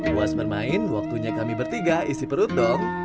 puas bermain waktunya kami bertiga isi perut dong